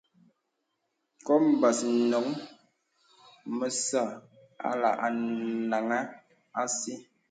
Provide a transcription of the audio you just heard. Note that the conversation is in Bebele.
Kôm bə̀s inôŋ məsà àlə̀ anàŋha àsī.